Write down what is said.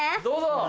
どうぞ。